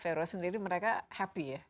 vero sendiri mereka happy ya